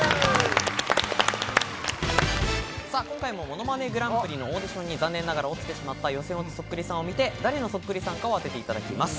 今回も『ものまねグランプリ』のオーディションに残念ながら落ちてしまった予選落ちそっくりさんを見て、誰がそっくりさんかを当てていただきます。